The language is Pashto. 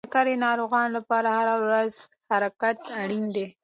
د شکر ناروغانو لپاره هره ورځ حرکت اړین دی.